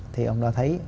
thì ông đã thấy